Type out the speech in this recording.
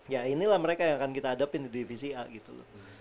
ya inilah mereka yang akan kita hadapin di divisi a gitu